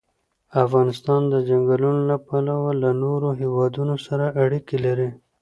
افغانستان د چنګلونه له پلوه له نورو هېوادونو سره اړیکې لري.